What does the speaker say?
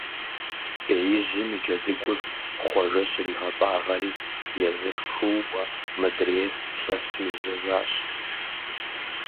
Беижьым и джэдыгур Хъуэжэ щригъэтӀагъэри, езыр шууэ, мыдрейр лъэсу ежьахэщ.